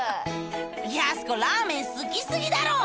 やす子ラーメン好き過ぎだろ！ねぇ！